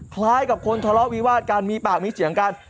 คล้ายกับคนทะเลาะวิวาดกันมีปากมีเสียงกัน